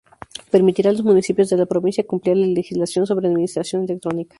Permitirá a los municipios de la provincia cumplir la legislación sobre administración electrónica.